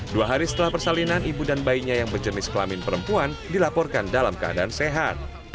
dua hari setelah persalinan ibu dan bayinya yang berjenis kelamin perempuan dilaporkan dalam keadaan sehat